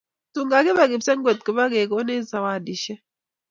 tun lakibe kipsengwet ko kigonech sawadishek